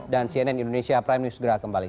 dan cnn indonesia prime news segera kembali